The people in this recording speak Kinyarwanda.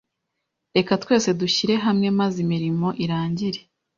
Reka twese dushyire hamwe maze imirimo irangire.